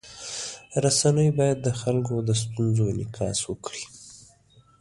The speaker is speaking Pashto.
رسنۍ باید د خلکو د ستونزو انعکاس وکړي.